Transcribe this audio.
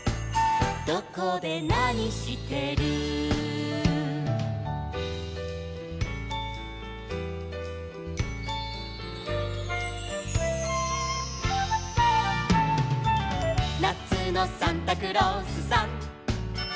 「どこでなにしてる」「なつのサンタクロースさん」